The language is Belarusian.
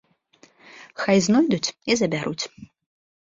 Хай знойдуць і забяруць.